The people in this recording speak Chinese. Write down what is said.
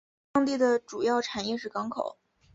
当地的主要产业是港口。